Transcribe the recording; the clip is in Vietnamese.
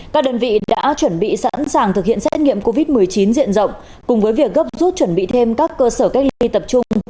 các đơn vị đã chuẩn bị sẵn sàng thực hiện xét nghiệm covid một mươi chín diện rộng cùng với việc gấp rút chuẩn bị thêm các cơ sở cách ly tập trung